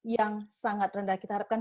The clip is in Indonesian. yang sangat rendah kita harapkan